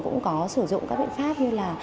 cũng có sử dụng các biện pháp như là